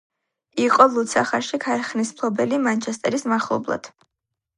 იყო ლუდსახარში ქარხნის მფლობელი მანჩესტერის მახლობლად.